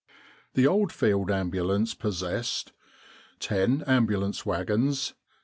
The old Field Ambulance possessed : 10 Ambulance Wagons.